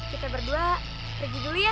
kita berdua lagi dulu ya